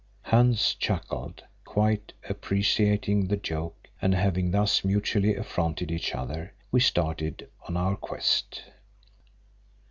Hans chuckled, quite appreciating the joke, and having thus mutually affronted each other, we started on our quest.